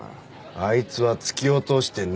あいつは突き落としてない。